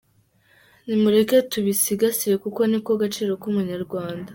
Nimureke tubisigasire kuko niko gaciro ku Munyarwanda.